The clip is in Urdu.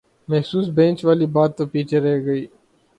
مخصوص بینچ والی بات تو پیچھے رہ گئی